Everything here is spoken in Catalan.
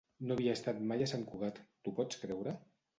No havia estat mai a Sant Cugat, t'ho pots creure?